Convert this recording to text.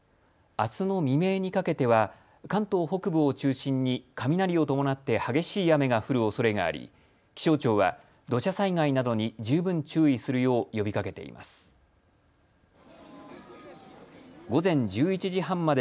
あすの未明にかけては関東北部を中心に雷を伴って激しい雨が降るおそれがあり気象庁は土砂災害などに十分注意するよう呼びかけています。